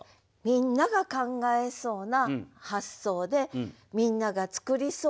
みんなが考えそうな発想でみんなが作りそうな句。